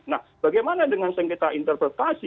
nah bagaimana dengan sengketa interpretasi